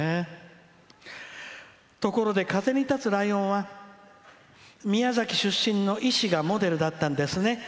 「ところで「風に立つライオン」は宮崎出身の医師がモデルだったんですね。